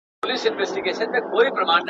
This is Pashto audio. کتاب د رڼا په شتون کې ولولئ.